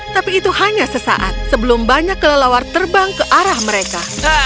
tapi itu hanya sesaat sebelum banyak kelelawar terbang ke arah mereka